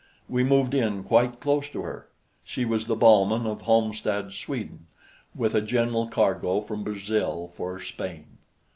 We moved in quite close to her. She was the Balmen of Halmstad, Sweden, with a general cargo from Brazil for Spain.